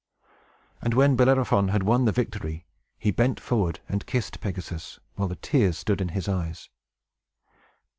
And when Bellerophon had won the victory, he bent forward and kissed Pegasus, while the tears stood in his eyes.